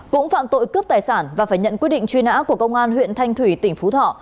cũng phạm tội cướp tài sản và phải nhận quyết định truy nã của công an huyện thanh thủy tp huế